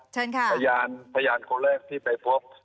เชิญค่ะพยานพยานคนแรกที่ไปพบ